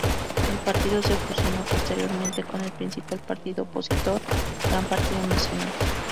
El partido se fusionó posteriormente con el principal partido opositor Gran Partido Nacional.